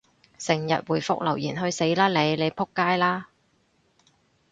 成日回覆留言，去死啦你！你仆街啦！